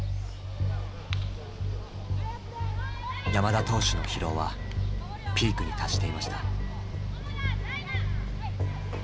山田投手の疲労はピークに達していました。